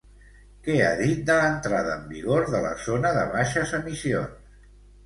Què ha dit de l'entrada en vigor de la Zona de Baixes Emissions?